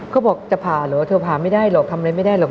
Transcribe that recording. เขาบอกจะผ่าเหรอเธอผ่าไม่ได้หรอกทำอะไรไม่ได้หรอก